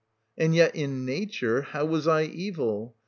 270 And yet in nature how was I evil